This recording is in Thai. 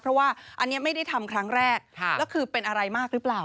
เพราะว่าอันนี้ไม่ได้ทำครั้งแรกแล้วคือเป็นอะไรมากหรือเปล่า